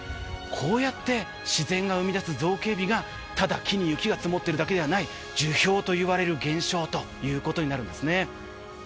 こうやって自然が生み出す造形美が、ただ木に雪が積もっているだけではない樹氷と言われる現象ということになるんです。